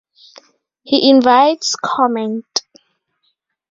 He invites comment.